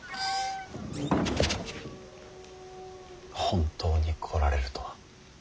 本当に来られるとは。